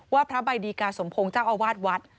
ว่าพระบัยดีกาสมพงษ์เจ้าอวาทวัด